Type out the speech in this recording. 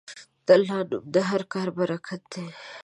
د الله نوم د هر کار برکت دی.